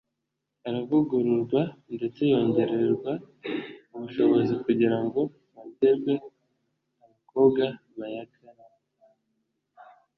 aravugururwa ndetse yongererwa ubushobozi kugira ngo hongerwe abakobwa bayagana